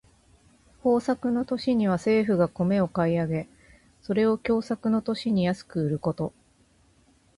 豊作の年には政府が米を買い上げ、それを凶作の年に安く売ること。